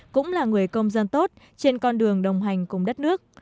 cũng là người công dân tốt trên con đường đồng hành cùng đất nước